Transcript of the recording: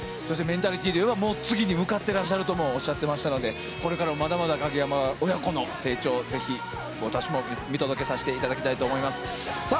メンタリティーで言えば次に向かっていらっしゃるともおっしゃっていましたのでこれからもまだまだ鍵山親子の成長をぜひ、私も見させていただいきたいと思います。